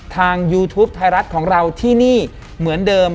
ยูทูปไทยรัฐของเราที่นี่เหมือนเดิม